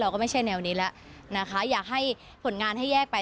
ก็ไม่ใช่แนวนี้แล้วนะคะอยากให้ผลงานให้แยกไป